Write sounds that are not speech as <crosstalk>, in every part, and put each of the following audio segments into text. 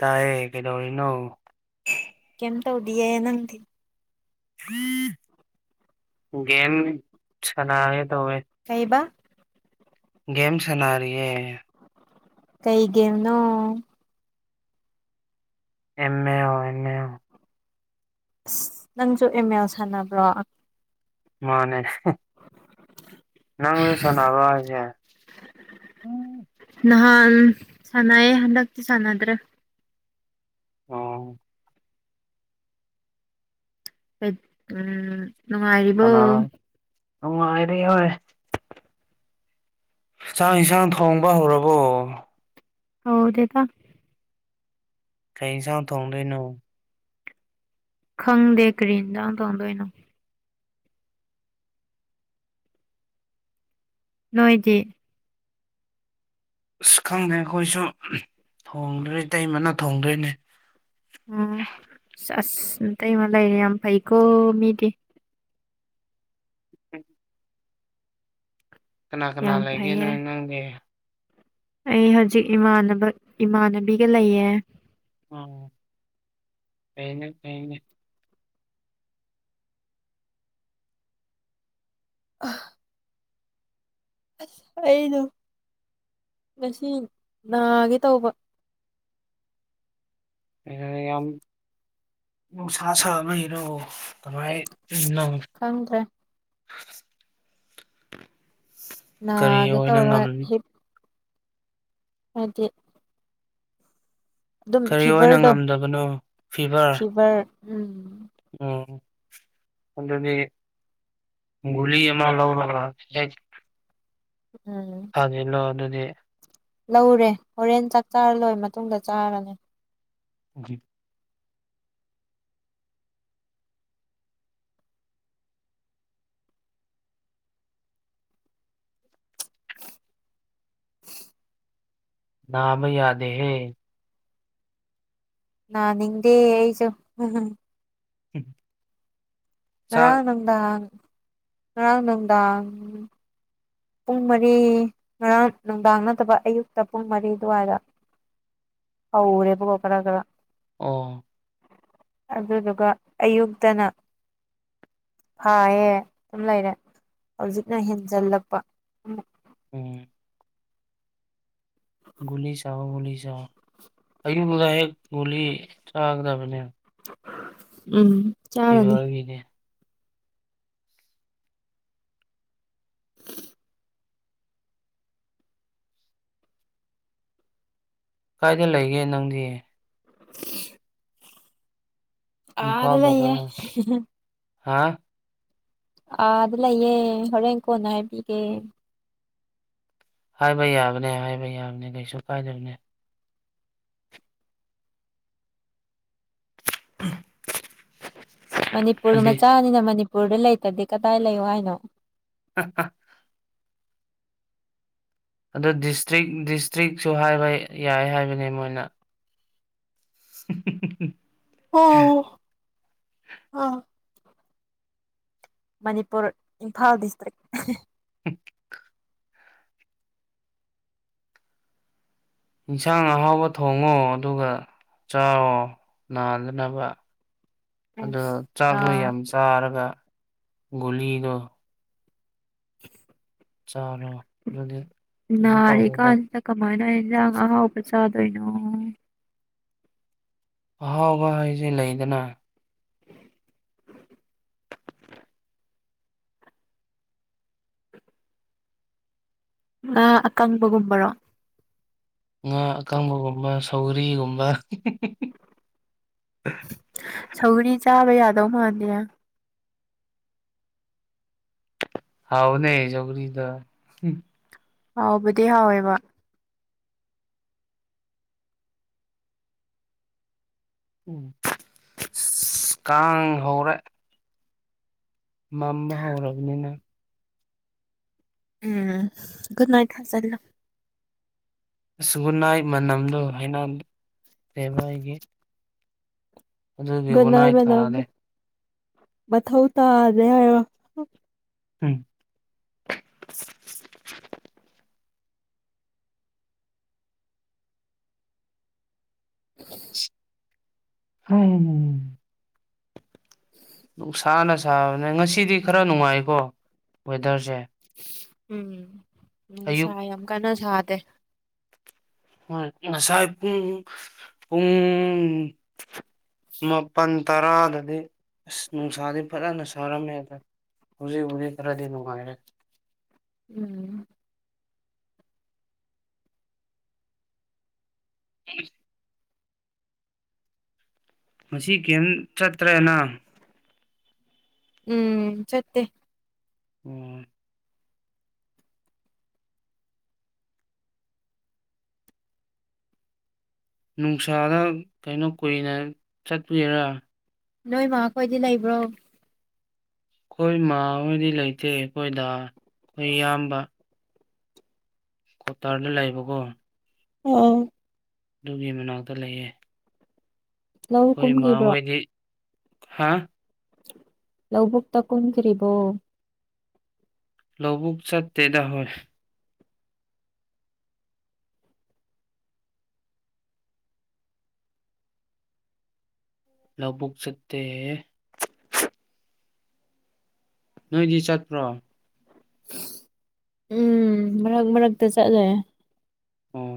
ꯇꯥꯏꯌꯦ ꯀꯩꯗꯧꯔꯤꯅꫭ ꯇꯧꯗꯤꯑ ꯅꯗꯤ ꯒ‌ꯦꯝ ꯁꯅꯥꯌ‌ꯦ ꯀꯩꯏꯕ ꯒ‌ꯦꯝꯁꯅꯔꯤꯌ‌ꯦ ꯀꯩ ꯒ‌ꯦꯝ ꯅꯣ ꯑ‌ꯦꯃꯜ ꯑ‌ꯦꯃꯜ ꯑꯁ ꯅꯪꯁꯨ ꯑ‌ꯦꯃꯦꯜ ꯁꯥꯟꯅꯕ꯭ꯔꯣ ꯃꯥꯅꯦ ꯅꯪꯁꯨ ꯁꯅꯕ꯭ꯔꫭ ꯍꯥꯏꯖ‌ꯦ ꯎꯝ ꯁꯥꯟꯅꯩꯑꯦ ꯍꯟꯗꯛꯇꯤ ꯁꯥꯟꯅꯗ꯭ꯔꯦ ꯑꯣ ꯎꯝ ꯅꯅꯨꯡꯉꯔꯤꯔꯤꯕꯣ ꯑ ꯍꯥꯏꯔꯤ ꯍꯣꯏ ꯆꯥꯛ ꯌꯦꯟꯁꯥꯡ ꯊꯣꯡꯕ ꯍꯧꯔꯕꯣ ꯍꯗꯦꯗ ꯀꯩꯁꯥꯡ ꯊꯣꯡꯗꯅꯣ ꯈꯪꯗꯦ ꯀꯔꯤꯟꯗꯥ ꯇꯧꯗꯅꯣ ꯅꯣꯏꯗꯤ ꯑꯁ ꯈꯪꯗꯦ ꯑꯩꯈꯣꯏꯁꯨ ꯊꯣꯡꯗꯣꯏ ꯇꯩꯃꯅ ꯊꯣꯡꯗꯣꯏꯅꯦ ꯎꯝ ꯑꯁ ꯑꯇꯩꯃ ꯂꯩꯔꯦ ꯌꯥꯝ ꯐꯩꯀꯣ ꯃꯤꯗꯤ ꯀꯅꯥ ꯀꯅꯥ ꯌꯥꯝ ꯂꯩꯒꯦ ꯐꯩꯌꯦ ꯅꯣꯏ ꯅꯪꯒꯤ ꯑꯩ ꯍꯧꯖꯤꯛ ꯏꯃꯥꯟꯅꯕ ꯏꯃꯥꯟꯅꯕꯤꯒ ꯂꯩꯌꯦ ꯑ ꯀꯩꯩꯅ ꯀꯩꯩꯅ ꯑ ꯑꯁ ꯑꯩꯅ ꯉꯁꯤ ꯅꯥꯒꯦ ꯇꯧꯕ <inaudible> ꯑ ꯌꯥꯝ ꯅꯨꯡꯁꯥ ꯁꯥ ꯑꯃ ꯏꯔ ꯀꯃꯥꯏ <inaudible> ꯈꯪꯗ꯭ꯔꯦ ꯀꯔꯤ ꯅꯦ ꯇꯧ ꯑꯣꯏꯅ ꯉꯝ ꯍꯥꯏꯗꯤ ꯑꯗꯨꯝ ꯀꯔꯤ ꯑꯣꯏꯅ ꯐꯤꯚꯔꯗꯣ ꯉꯝꯗꯕꯅꯣ ꯐꯤꯚꯔ ꯎꯝ ꯎꯝ ꯑꯗꯅꯤ ꯨꯂꯤ ꯑꯃꯃ ꯂꯧꯧ ꯂ ꯎꯝ ꯑꯗꯨꯂꯣ ꯑꯗꯨꯗꯤ ꯂꯧꯔꯦ ꯍꯣꯔꯦꯟ ꯆꯥꯛ ꯆꯥꯔ ꯂꯣꯏꯔ ꯃꯇꯨꯡꯗ ꯆꯥꯔꯅꯤ ꯖꯤ ꯅꯥꯃ ꯌꯥꯗ ꯍꯦ ꯅꯅꯤꯡꯗꯦ ꯑꯩꯁꯨꯣ ꯎꯝ ꯑꯔꯅꯗ ꯋꯥꯥꯡꯅꯝꯗꯥ ꯄꯨꯡ ꯃꯔꯤ ꯉꯔꯥꯡ ꯅꯨꯡꯗꯥꯡ ꯅꯠꯇꯕ ꯑꯌꯨꯛꯇ ꯄꯨꯡ ꯃꯔꯤ ꯑꯗꯨꯋꯥꯏꯗ ꯑꯔꯦ ꯄ ꯀꯄꯔꯒ꯭ꯔ ꯑꯣ ꯑꯗꯨꯗꯨꯒ ꯑꯌꯨꯛꯇꯅ ꯐꯥꯏꯌꯦ ꯑꯗꯨꯝ ꯂꯩꯔꯦ ꯍꯧꯖꯤꯛꯅ ꯍꯦꯟꯖꯤꯜꯂꯛꯄ ꯎꯝ ꯒꯨꯂꯤ ꯁꯥꯑꯣ ꯒꯨꯂꯤ ꯁꯥꯥꯛꯑꯣ ꯑꯌꯨꯕꯗ ꯍꯦꯛ ꯒꯨꯂꯤ ꯆꯥꯒꯗꯕꯅꯦ ꯎꯝ ꯆꯥꯔꯅꯤ ꯏꯕꯒꯤꯅꯦ <inaudible> ꯀꯥꯏꯗ ꯂꯩꯒꯦ ꯅꯪꯗꯤ ꯑ ꯑꯗꯨꯗꯅꯦ ꯍꯥꯥ ꯑ ꯑꯗꯨꯗꯂꯌꯦꯦ ꯍꯔꯡ ꯀꯣꯅ ꯏꯒꯦ ꯍꯥꯏꯕ ꯌꯥꯕꯅꯦ ꯍꯥꯏꯕ ꯌꯥꯕꯅꯦ ꯀꯩꯁꯨ ꯀꯥꯏꯗꯕꯅꯦ ꯎ ꯃꯅꯤꯄꯨꯔ ꯃꯆꯥꯅꯤꯅ ꯃꯅꯤꯄꯨꯔꯗ ꯂꯩꯇꯗꯤ ꯀꯗꯥꯏ ꯂꯩꯌꯣ ꯍꯥꯏꯅꯣ ꯑ ꯑ ꯑꯗꯨ ꯗꯤꯁꯇ꯭ꯔꯤꯛ ꯗꯤꯁꯇ꯭ꯔꯤꯛꯁꯨ ꯍꯥꯏꯕ ꯌꯥꯏ ꯍꯥꯏꯕꯅꯤ ꯃꯣꯏꯅ <unintelligible> ꯍ ꯑ ꯃꯅꯤꯄꯨꯔ ꯏꯝꯐꯥꯜ ꯗꯤꯁꯇ꯭ꯔꯤꯛ <unintelligible> ꯏꯟꯁꯥꯡ ꯑꯍꯥꯎꯕ ꯊꯣꯡꯉꯣ ꯑꯗꯨꯒ ꯆꯥꯎꯣ ꯅꯥꯟꯗꯅꯕ ꯑꯣ ꯆꯥꯛꯗꯣ ꯅꯥꯔ ꯌꯥꯝ ꯆꯥꯔꯒ ꯒꯨꯂꯤꯗꯣ <unintelligible> ꯆꯥꯔꯣ ꯑꯗꯨꯗꯤ ꯀꯩꯁꯨ ꯇꯧꯔꯦꯕ ꯅꯥꯔꯤꯀꯥꯟꯁꯤꯗ ꯀꯃꯥꯏꯅ ꯏꯟꯖꯥꯡ ꯑꯍꯥꯎꯕ ꯆꯥꯗꯣꯏꯅꯣ ꯑꯍꯥꯎꯕ ꯍꯥꯏꯁꯦ ꯂꯩꯗꯅ ꯉꯥ ꯑꯀꯪꯕꯒꯨꯝꯕꯔꯣ ꯉꯥ ꯑꯀꯪꯕꯒꯨꯝꯕ ꯁꯧꯔꯤꯒꯨꯝꯕ ꯁꯧꯔꯤ ꯆꯥꯕ ꯌꯥꯗꯧ ꯃꯥꯥꯟꯂꯦ ꯍꯥꯎꯅꯦ ꯆꯧꯒꯔꯤꯗ ꯍꯥꯎꯕꯗꯤ ꯍꯥꯎꯋꯦꯕ ꯎꯝ ꯀꯥꯡ ꯍꯧꯔꯦ ꯃꯝꯕ ꯍꯧꯔꯔꯕꯅꯤꯅ ꯎꯝ ꯒꯗ ꯅꯥꯠ ꯍ ꯑꯒꯟꯅꯥꯏ ꯃꯅꯝꯗꯣ ꯍꯥꯏꯅꯦꯕ ꯑꯩꯒꯤ ꯑꯗꯨꯒꯤ ꯅꯥꯏ ꯒꯨꯠꯅꯥꯏ ꯃꯅ ꯊꯥꯔꯦ ꯃꯊꯧꯊꯧ ꯇꯥꯗꯦ ꯍꯥꯏ ꯎꯝ <unintelligible> ꯍ ꯅꯨꯡꯁꯥꯅ ꯁꯥꯕꯅꯦ ꯉꯁꯤꯗꯤ ꯈꯔ ꯅꯨꯡꯉꯥꯏꯀꯣ ꯋꯦꯗꯔꯁꯦ ꯎꯝ ꯎꯝ ꯑꯌꯨꯛ ꯁꯥꯏ ꯌꯥꯝ ꯀꯟꯅ ꯁꯥꯗꯦ ꯍꯣꯏ ꯉꯁꯥꯏ ꯄꯨꯡ ꯄꯨꯡ ꯃꯥꯄꯜ ꯇꯔꯥꯗꯗꯤ ꯑꯁ ꯅꯨꯡꯁꯥꯗꯤ ꯐꯖꯅ ꯁꯥꯔꯝꯃꯦꯗ ꯍꯧꯖꯤ ꯍꯧꯖꯤ ꯈꯔꯗꯤ ꯅꯨꯅꯨꯡꯉꯥꯏꯔꯦ ꯎꯝ ꯎꯝ ꯃꯁꯤ ꯀꯔꯤꯝ ꯆꯠꯇ꯭ꯔꯦꯅ ꯎꯝ ꯁꯇꯦ ꯎꯝ ꯅꯨꯡꯁꯥꯗ ꯀꯩꯅꯣ ꯀꯨꯏꯅ ꯆꯠꯂꯨꯒꯦꯔꯥ ꯅꯣꯏ ꯃꯥꯈꯣꯏꯗꯤ ꯂꯩꯕ꯭ꯔꯣ ꯑꯩꯈꯣꯏ ꯃꯥ ꯍꯗꯤ ꯂꯩꯇꯦ ꯑꯩꯈꯣꯏꯗ ꯑꯩꯈꯣꯏ ꯏꯌꯥꯝꯕ ꯀꯇꯥꯔꯗꯤ ꯂꯥꯛꯏꯕꯀꯣ ꯑ ꯑꯗꯨꯒꯤ ꯃꯅꯥꯛꯇ ꯂꯩꯌꯦꯦ ꯂꯧ ꯑꯩꯣꯏ ꯃꯥ ꯀꯨꯝꯈꯤꯕ꯭ꯔꯣ ꯑꯣꯏꯣꯏꯗꯤ ꯍꯥ ꯂꯧꯕꯨꯛꯇ ꯀꯟꯈ꯭ꯔꯤꯕꯣ ꯂꯕꯨꯛ ꯆꯠ ꯗꯦꯗꯥ ꯍ ꯂꯧꯕꯨꯛ ꯆꯠꯇ ꯅꯣꯏꯗꯤ ꯆꯠꯄ꯭ꯔꯣ ꯎꯝ ꯃꯔꯔꯛ ꯃꯔꯔꯛꯛꯇ ꯆꯠꯂꯦ ꯑꯣ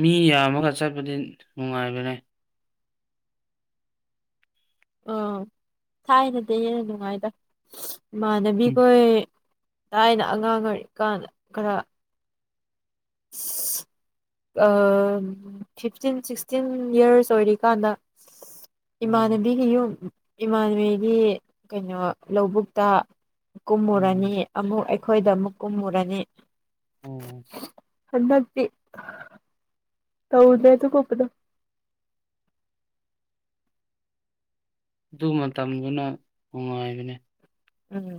ꯃꯤ ꯌꯥꯝꯃꯒ ꯆꯠꯄꯗꯤ ꯅꯨꯡꯉꯥꯏꯕꯅꯦ ꯑ ꯊꯥꯏꯅꯗꯤꯦ ꯍꯦꯟꯅ ꯅꯨꯡꯉꯥꯏꯗ ꯎꯝ ꯏꯃꯥꯟꯅꯕꯤꯈꯣꯏ ꯊꯥꯏꯅ ꯑꯉꯥꯡ ꯑꯣꯏꯔꯤ ꯀꯥꯟꯗ ꯈꯔ <unintelligible> ꯐꯤꯐꯇꯤꯟ ꯁꯤꯛꯁꯇꯤꯟ ꯌꯔꯁ ꯑꯣꯏꯔꯤꯀꯥꯟꯗ ꯎꯝ ꯏꯃꯥꯟꯅꯕꯤꯒꯤ ꯌꯨꯝ ꯏꯃꯥꯟꯅꯕꯤꯒꯤ ꯀꯩꯅꯣ ꯂꯧꯕꯨꯛꯇ ꯀꯨꯝꯃꯨꯔꯅꯤ ꯎꯝ ꯑꯃꯨꯛ ꯑꯩꯈꯣꯏꯗ ꯑꯃꯨꯛ ꯀꯨꯝꯃꯨꯔꯅꯤ ꯎꯝ ꯍꯗꯤ ꯇꯧ ꯗꯦ ꯇꯨ ꯀꯣꯄꯅ ꯑꯗꯨ ꯃꯇꯝꯗꯨꯅ ꯅꯨꯡꯉꯥꯏꯕꯅꯦ ꯎꯝ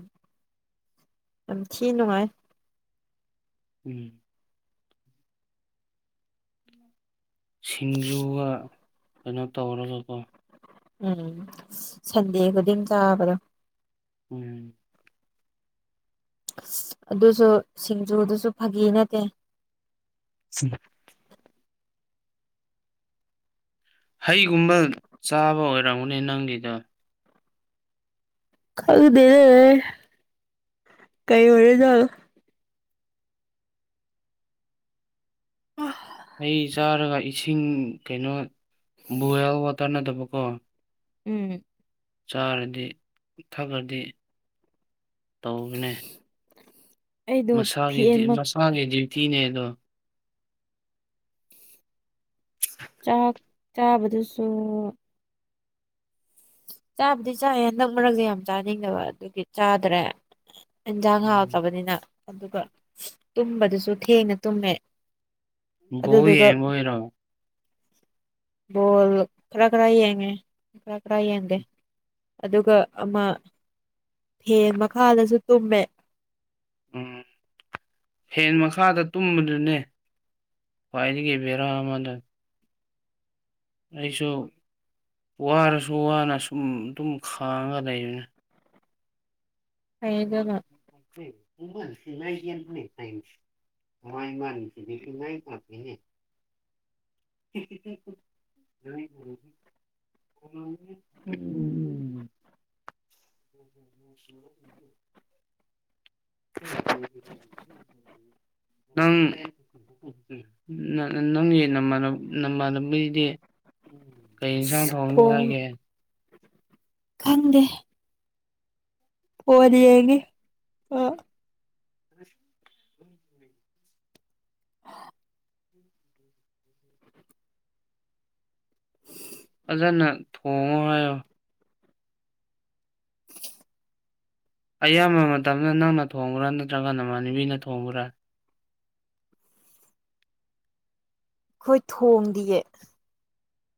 ꯑ ꯊꯤ ꯅꯨꯡꯉꯥꯏ ꯎꯝ ꯁꯤꯡꯖꯨꯒ ꯀꯩꯅꯣ ꯇꯧꯔꯒꯀꯣ ꯎꯝ ꯁꯟꯗꯦ ꯈꯨꯗꯤꯡ ꯆꯥꯕ꯭ꯔꯣ ꯎꯝ ꯑꯗꯨꯁꯨ ꯁꯤꯡꯖꯨꯗꯨꯁꯨ ꯐꯥꯒꯤ ꯅꯠꯇꯦ ꯍꯩꯒꯨꯝꯕ ꯆꯥꯕ ꯑꯣꯏꯔꯝꯒꯨꯅꯦ ꯅꯪꯒꯤꯗꯣ ꯈꯔꯗ ꯀꯩ ꯑꯣꯏꯔꯦ ꯆꯒ ꯎ ꯑꯩ ꯆꯥꯔꯒ ꯏꯁꯤꯡ ꯀꯩꯅꯣ ꯕꯣꯏꯜ ꯋꯥꯇꯔ ꯅꯠꯇꯕꯀꯣ ꯎꯝ ꯆꯥꯔꯗꯤ ꯊꯛꯑꯗꯤ ꯇꯒꯅꯤ ꯑꯩꯗꯣ ꯃꯁꯥꯒꯤ ꯐꯦꯟꯃꯛ ꯃꯁꯥꯒꯤ ꯗ꯭ꯌꯨꯇꯤꯅꯦ ꯑꯗꯣ ꯆꯥꯛ ꯆꯥꯕꯗꯨꯁꯨ ꯆꯥꯕꯗꯤ ꯆꯥꯏ ꯍꯟꯗꯛ ꯃꯔꯛꯇ ꯌꯥꯝ ꯆꯥꯅꯤꯡꯗꯕ ꯑꯗꯨꯒꯤ ꯆꯥꯗ꯭ꯔꯦ ꯏꯟꯁꯥꯡ ꯍꯥꯎꯇꯕꯅꯤꯅ ꯑꯗꯨꯒ ꯇꯨꯝꯕꯗꯨꯁꯨ ꯊꯦꯡꯅ ꯇꯨꯝꯃꯦ ꯕꯕꯔꯣ ꯣꯜ ꯈꯔ ꯈꯔ ꯍ ꯍꯥꯏꯒꯦ ꯈ ꯈꯔꯥ ꯌꯦꯡꯒꯦ ꯑꯗꯨꯒ ꯑꯃ ꯐꯦꯟ ꯃꯈꯥꯗꯁꯨ ꯇꯨꯝꯃꯦ ꯎꯝ ꯐꯦꯟ ꯃꯈꯥꯗ ꯇꯨꯝꯕꯗꯨꯅꯦ ꯈ꯭ꯋꯥꯏꯗꯒꯤ ꯕꯦꯔꯥ ꯑꯃꯗ ꯑꯩꯁꯨ ꯋꯥꯔꯁꯨ ꯋꯥꯅ ꯁꯨꯝ ꯑꯗꯨꯝ ꯈꯥꯡꯉ ꯂꯩꯕꯅ ꯑꯩ ꯑꯗꯨꯅ ꯁꯤ ꯃꯁꯤ ꯉꯒꯅꯦ ꯐꯥꯏꯁ ꯃꯥꯏ ꯃꯥꯅꯤꯁꯤ ꯉ ꯃꯥꯦꯅꯦ <unintelligible> ꯎ <unintelligible> ꯅꯪ ꯅꯪꯒꯤ ꯅ ꯅꯃꯜꯗꯤ ꯎ ꯀꯩ ꯏꯟꯁꯥꯡ ꯊꯣꯡꯅꯤ ꯐꯣꯟ ꯍꯥꯏꯒꯦ ꯈꯪꯗꯦ ꯑꯣꯏꯔꯤꯌꯦꯒ ꯑ ꯑ ꯐꯖꯅ ꯊꯣꯡꯉꯣ ꯑꯌꯥꯝꯕ ꯃꯇꯝꯗ ꯅꯪꯅ ꯊꯣꯡꯕ꯭ꯔꯥ ꯅꯠꯇ꯭ꯔꯒ ꯅꯃꯥꯟꯅꯕꯤꯅ ꯊꯣꯡꯕ꯭ꯔꯥ ꯑꯩꯈꯣꯏ ꯊꯣꯡꯗꯤꯌꯦ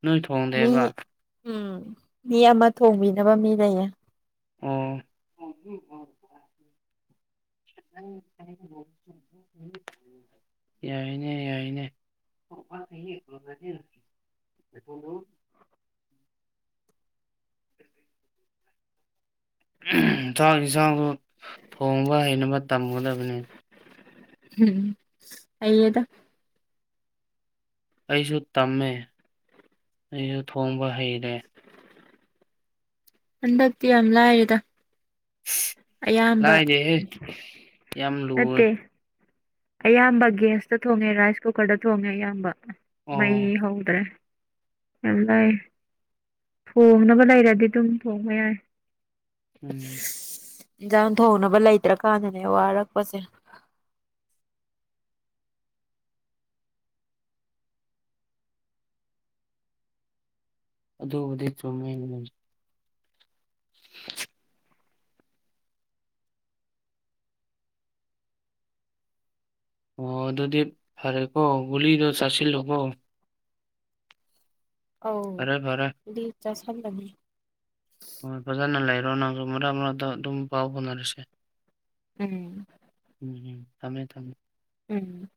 ꯅꯣꯏ ꯃꯤ ꯊꯣꯡꯗꯦꯕ ꯎꯝ ꯃꯤ ꯑꯃ ꯊꯣꯡꯕꯤꯅꯕ ꯃꯤ ꯂꯩꯌꯦ ꯑ <unintelligible> ꯌꯥꯏꯅꯦ ꯌꯥꯏꯅꯦ <unintelligible> ꯎ ꯆꯥꯛ ꯌꯦ ꯆꯥꯡꯁꯨ ꯊꯣꯡꯕ ꯍꯩꯅꯕ ꯇꯝꯒꯗꯕꯅꯤ ꯎꯝ ꯑꯌꯦꯗ ꯑꯩꯁꯨ ꯇꯝꯃꯦ ꯑꯩꯁꯨ ꯊꯣꯡꯕ ꯍꯩꯔꯦ ꯍꯟꯗꯛꯇꯤ ꯌꯥꯝ ꯂꯥꯏꯔꯤꯦꯗ ꯑꯌꯥꯝꯕ ꯂꯥꯏꯗꯦꯍꯦ ꯌꯥꯝ ꯂꯨꯋꯦ ꯅꯠꯇꯦ ꯑꯌꯥꯝꯕ ꯒꯦꯁꯇ ꯊꯣꯡꯉꯦ ꯔꯥꯏꯁ ꯀꯨꯀꯔꯗ ꯊꯣꯡꯉꯦ ꯑꯌꯥꯝꯕ ꯃꯩ ꯑꯣ ꯍꯧꯗ꯭ꯔꯦ ꯌꯥꯝ ꯂꯥꯏ ꯊꯣꯡꯅꯕ ꯂꯩꯔꯗꯤ ꯑꯗꯨꯝ ꯊꯣꯡꯕ ꯌꯥꯏ ꯎꯝ ꯏꯟꯁꯥꯡ ꯊꯣꯡꯅꯕ ꯂꯩꯇ꯭ꯔꯀꯥꯟꯗꯅꯦ ꯋꯥꯔꯛꯄꯁꯦ ꯑꯗꯨꯕꯨꯗꯤ ꯆꯨꯝꯃꯦ <unintelligible> ꯑꯣ ꯑꯗꯨꯗꯤ ꯐꯔꯦꯀꯣ ꯒꯨꯂꯤꯗꯣ ꯆꯥꯁꯤꯜꯂꯣꯀꯣ ꯑꯥꯎ ꯐꯔꯦ ꯐꯔꯦ ꯗꯗꯤ ꯏꯆꯥ ꯁꯥꯟꯗ ꯣ ꯅꯔ ꯑꯃ ꯑꯗꯨꯝ ꯄꯥꯎꯕꯅꯔꯁꯦ ꯎꯝ ꯊꯃꯦ ꯊꯃꯦ ꯎꯝ